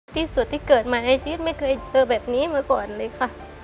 ที่สุดที่เกิดมาในชีวิตไม่เคยเจอแบบนี้มาก่อนเลยค่ะ